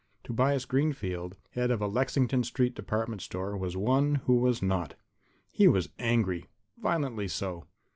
Tobias Greenfield, head of a Lexington street department store, was one who was not. He was angry, violently so.